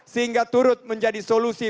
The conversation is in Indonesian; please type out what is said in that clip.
sehingga turut menjadi solusi